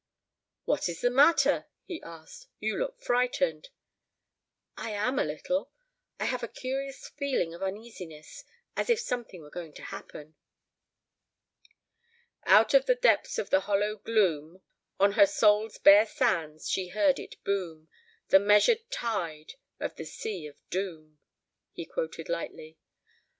"What is the matter?" he asked. "You look frightened." "I am a little I have a curious feeling of uneasiness as if something were going to happen." "'Out of the depths of the hollow gloom, On her soul's bare sands she heard it boom, The measured tide of the sea of doom,'" he quoted lightly.